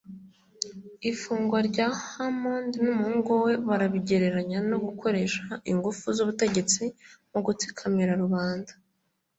Ifungwa rya Hammond n’umuhungu we bararigereranya no gukoresha ingufu z’ubutegetsi mu gutsikamira rubanda